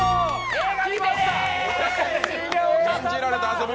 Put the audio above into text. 「禁じられた遊び」